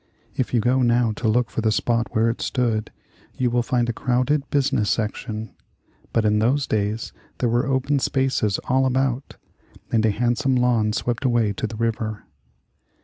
If you go now to look for the spot where it stood, you will find a crowded business section; but in those days there were open spaces all about, and a handsome lawn swept away to the river.